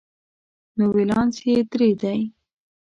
نو ولانس یې درې دی.